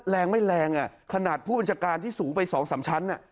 แรงไม่แรงขนาดผู้บัญชาการที่สูงไป๒๓ชั้น